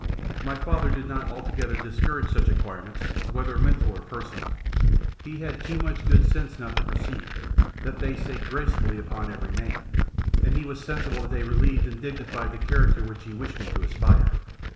My father did not altogether discourage such acquirements, whether mental or personal. He had too much good sense not to perceive, that they sate gracefully upon every man, and he was sensible that they relieved and dignified the character to which he wished me to aspire.